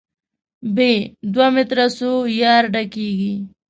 ب: دوه متره څو یارډه کېږي؟